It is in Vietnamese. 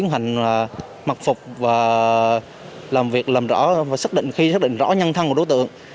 nhưng mà mặc phục và làm việc làm rõ và xác định khi xác định rõ nhân thăng của đối tượng